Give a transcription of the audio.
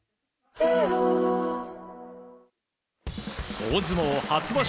大相撲初場所